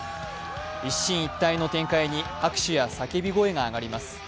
一進一退の展開に拍手や叫び声が上がります。